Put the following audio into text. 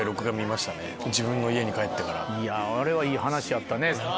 いやあれはいい話やったね。